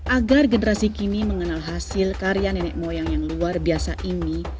agar generasi kini mengenal hasil karya nenek moyang yang luar biasa ini